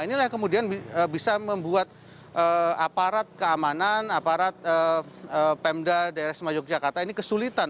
inilah yang kemudian bisa membuat aparat keamanan aparat pemda daerah sema yogyakarta ini kesulitan